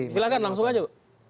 silahkan langsung aja